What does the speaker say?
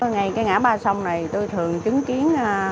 ngay cái ngã ba sông này tôi thường chứng kiến